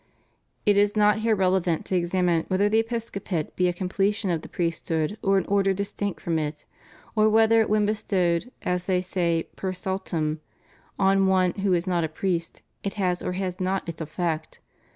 It is not here relevant to examine whether the Episcopate be a completion of the priesthood or an Order distinct from it, or whether when bestowed, as they say per saltum, on one who is not a priest, it has or has not its effect.